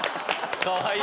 かわいい！